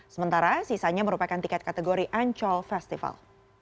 sementara sisanya merupakan tiket kategori ancol festival